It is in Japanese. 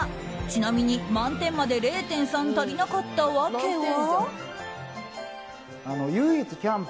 ちなみに満点まで０．３足りなかった訳は？